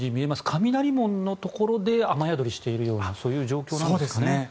雷門のところで雨宿りをしているようなそういう状況なんですかね。